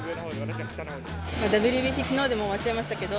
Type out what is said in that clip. ＷＢＣ、きのうでもう終わっちゃいましたけど。